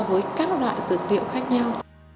với các loại dược liệu khác nhau